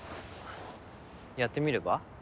やってみれば？